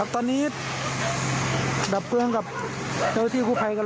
ตอนนี้ดับเบื้องกับเช้าที่ครูไพเริ่มรัด